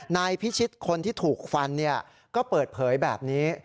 นายพิชิตคนที่ถูกฟันก็เปิดเผยแบบนี้